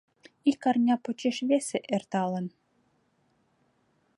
Ик арня почеш весе эрталын